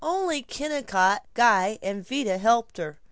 Only Kennicott, Guy, and Vida helped her.